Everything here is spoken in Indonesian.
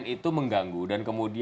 tidak mungkin sudah jadi